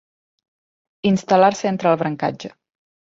Instal·lar-se entre el brancatge.